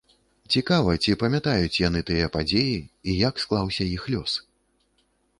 Цікава, ці памятаюць яны тыя падзеі і як склаўся іх лёс?